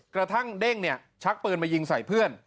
กระทั่งเด้งเนี่ยชักปืนมายิงใส่เพื่อน